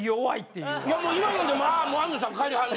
いやもう今のでも。